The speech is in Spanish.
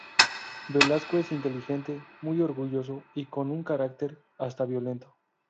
Velasco es inteligente, muy orgulloso y con un carácter hasta violento.